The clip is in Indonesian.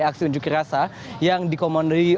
aksi unjukirasa yang dikomunikasi